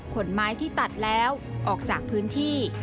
ขนไม้ที่ตัดแล้วออกจากพื้นที่